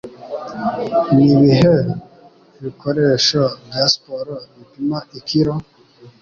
Nibihe bikoresho bya siporo bipima ikiro?